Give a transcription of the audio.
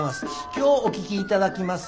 今日お聴き頂きます